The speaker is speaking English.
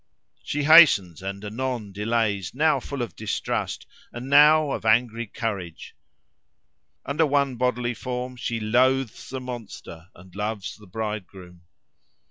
She hastens and anon delays, now full of distrust, and now of angry courage: under one bodily form she loathes the monster and loves the bridegroom.